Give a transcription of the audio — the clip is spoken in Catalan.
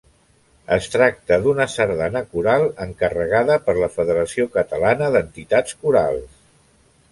Es tracta d'una sardana coral encarregada per la Federació Catalana d'Entitats Corals.